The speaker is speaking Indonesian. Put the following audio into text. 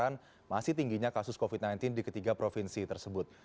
karena masih tingginya kasus covid sembilan belas di ketiga provinsi tersebut